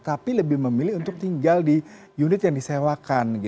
tapi lebih memilih untuk tinggal di unit yang disewakan